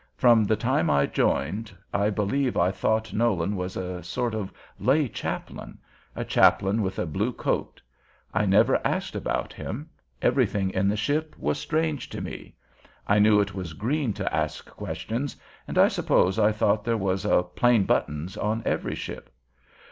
From the time I joined, I believe I thought Nolan was a sort of lay chaplain, a chaplain with a blue coat. I never asked about him. Everything in the ship was strange to me. I knew it was green to ask questions, and I suppose I thought there was a "Plain Buttons" on every ship.